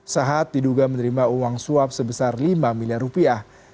sahat diduga menerima uang suap sebesar lima miliar rupiah